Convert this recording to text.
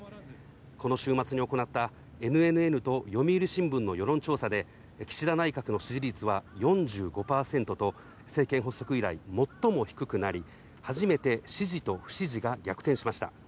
この週末に行ったＮＮＮと読売新聞の世論調査で、岸田内閣の支持率は４５％と政権発足以来、最も低くなり、初めて支持と不支持が逆転しました。